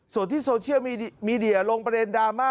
ส่วนที่โซเชียลมีเดียลงประเด็นดราม่า